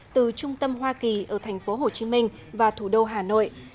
từ trung tâm hoa kỳ ở thành phố hồ chí minh và thủ đô hà nội